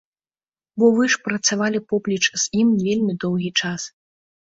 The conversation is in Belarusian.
Бо вы ж працавалі поплеч з ім вельмі доўгі час.